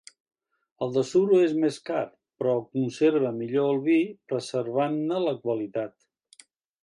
El de suro és més car, però conserva millor el vi, preservant-ne la qualitat.